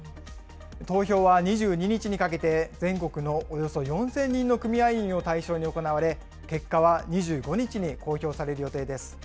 投票は２２日にかけて、全国のおよそ４０００人の組合員を対象に行われ、結果は２５日に公表される予定です。